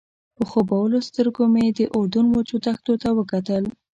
په خوبولو سترګو مې د اردن وچو دښتو ته وکتل.